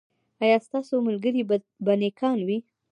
ایا ستاسو ملګري به نیکان وي؟